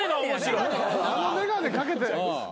あの眼鏡掛けて。